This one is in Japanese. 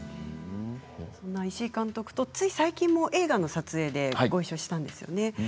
そんな石井監督とつい最近も映画の撮影でごいっしょしたんですよね。